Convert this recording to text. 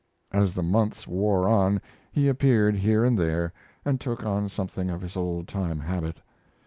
As the months wore on he appeared here and there, and took on something of his old time habit.